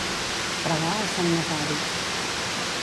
Pregar a Sant Nazari.